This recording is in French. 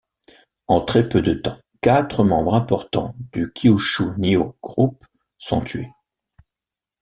En très peu de temps, quatre membres importants du Kyushu Nioh group sont tués.